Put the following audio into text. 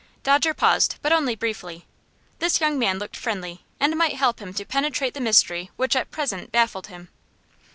Dodger paused, but only briefly. This young man looked friendly, and might help him to penetrate the mystery which at present baffled him.